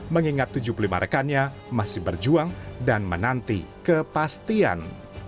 mengingat tujuh puluh lima rekannya masih berjuang dan menanti kepastian